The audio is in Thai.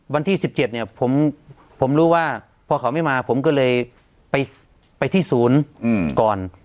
วันที่๑๗เนี่ยผมรู้ว่าพอเขาไม่มาผมก็เลยไปที่ศูนย์ก่อน